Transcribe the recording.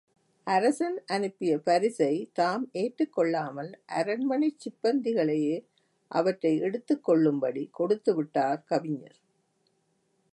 அரசன் அனுப்பிய பரிசை தாம் ஏற்றுக் கொள்ளாமல், அரண்மனைச் சிப்பந்திகளையே அவற்றைப் எடுத்துக் கொள்ளும்படி கொடுத்து விட்டார் கவிஞர்.